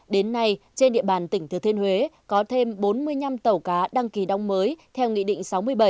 đến nay trên địa bàn tỉnh thừa thiên huế có thêm bốn mươi năm tàu cá đăng ký đóng mới theo nghị định sáu mươi bảy